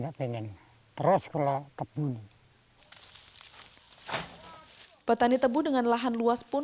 jika tidak petani terpaksa diberi kekuatan